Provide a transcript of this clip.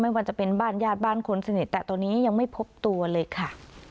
ว่าจะเป็นบ้านญาติบ้านคนสนิทแต่ตอนนี้ยังไม่พบตัวเลยค่ะ